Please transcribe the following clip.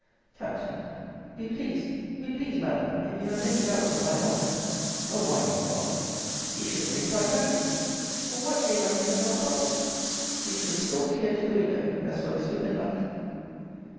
Capt. Be pleased be pleased, Madam if you have any doubts of my honour A whining varlet! He should have been quite angry For what gave I him the nod positive? He should have stalked again to the window, as for his whip and hat.